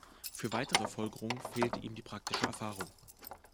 Für weitere Folgerungen fehlte ihm die praktische Erfahrung.